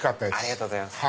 ありがとうございます。